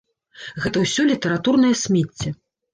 Гэта ўсё літаратурнае смецце.